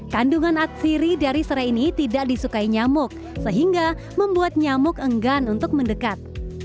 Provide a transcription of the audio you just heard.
kandungan atsiri dari serai ini tidak disukai nyamuk sehingga membuat nyamuk enggan untuk mendekat